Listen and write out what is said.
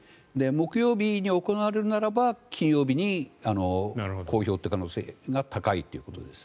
木曜日に行われるならば金曜日に公表という可能性が高いということです。